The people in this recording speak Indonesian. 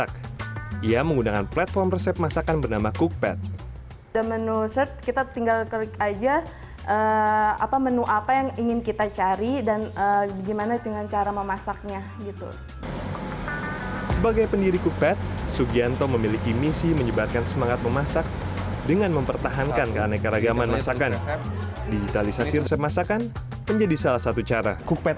dengan mempertahankan keanekaragaman masakan digitalisasi resep masakan menjadi salah satu cara